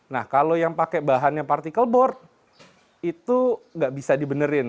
nah kalau yang pakai bahannya partikel board itu nggak bisa dibenerin